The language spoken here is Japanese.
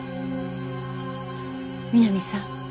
美波さん